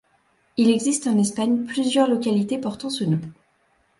Il existe en Espagne plusieurs localités portant ce nom.